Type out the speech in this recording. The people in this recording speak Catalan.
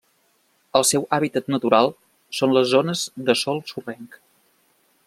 El seu hàbitat natural són les zones de sòl sorrenc.